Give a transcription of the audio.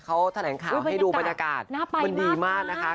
เขาแถลงข่าวให้ดูบรรยากาศมันดีมากนะคะ